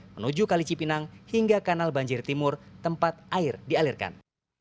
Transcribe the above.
menuju kali cipinang hingga kanal banjir timur tempat air dialirkan